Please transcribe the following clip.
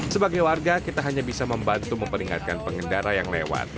sebagai warga kita hanya bisa membantu memperingatkan pengendara yang lewat